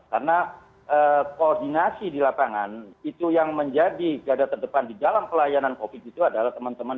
karena koordinasi di lapangan itu yang menjadi gada terdepan di dalam pelayanan covid sembilan belas itu adalah teman teman